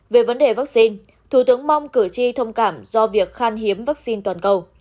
về vấn đề vaccine thủ tướng mong cử tri thông cảm do việc khan hiếm vaccine toàn cầu